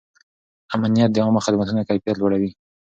امنیت د عامه خدمتونو کیفیت لوړوي.